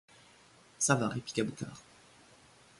Ça va, répliqua Boucard.